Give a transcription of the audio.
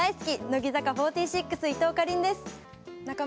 乃木坂４６伊藤かりんです。